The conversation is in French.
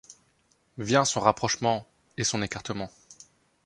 Vient son rapprochement et son éclatement.